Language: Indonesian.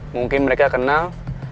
mungkin mereka kenal